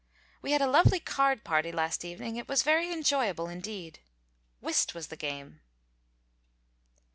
We had a lovely card party last evening. It was very enjoyable, indeed. Whist was the game.